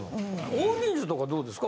大人数とかどうですか？